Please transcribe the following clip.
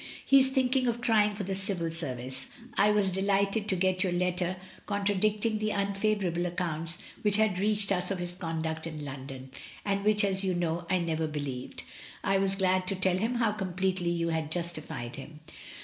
He is thinking of trying for the Civil Service. I was delighted to get your letter contradicting the unfavourable accounts which had reached us of his conduct in London, and which, as you know, I never believed. I was glad to tell him how completely you had justified him.